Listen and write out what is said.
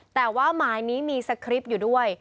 แต่ว่าหมายนี้มีสคริปต์อยู่ด้วย